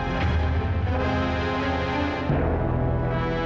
saya dapat ilmu sekolah kamu